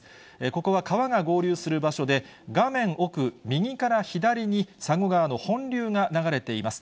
ここは川が合流する場所で、画面奥、右から左に佐護川の本流が流れています。